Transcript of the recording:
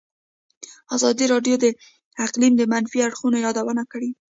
ازادي راډیو د اقلیم د منفي اړخونو یادونه کړې.